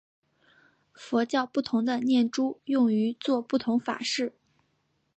佛教不同的念珠用于作不同法事。